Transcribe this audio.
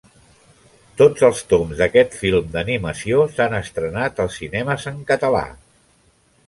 Tots els toms d'aquest film d'animació s'han estrenat als cinemes en català.